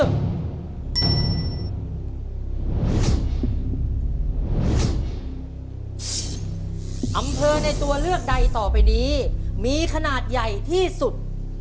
อำเภอในตัวเลือกใดต่อไปนี้มีขนาดใหญ่ที่สุด